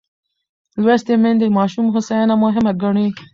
لوستې میندې د ماشوم هوساینه مهمه ګڼي.